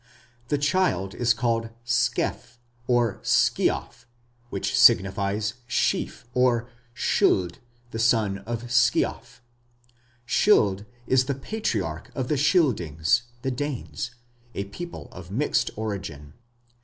The child is called "Scef" or "Sceaf", which signifies "Sheaf", or "Scyld, the son of Sceaf". Scyld is the patriarch of the Scyldings, the Danes, a people of mixed origin.